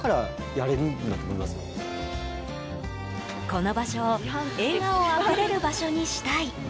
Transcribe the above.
この場所を笑顔あふれる場所にしたい。